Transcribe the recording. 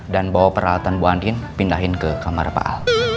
dan bawa peralatan bu andin pindahin ke kamar pak al